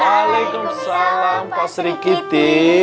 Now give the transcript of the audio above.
waalaikumsalam pak sri kitty